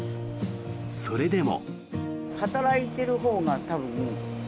それでも。